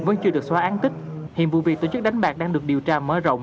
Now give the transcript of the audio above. vẫn chưa được xóa án tích hiện vụ việc tổ chức đánh bạc đang được điều tra mở rộng